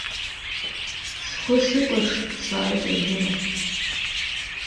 Схы сыкәаҽ сааит аҩныҟа.